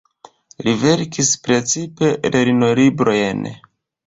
Li verkis precipe lernolibrojn.